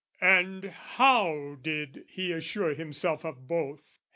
And how did he assure himself of both?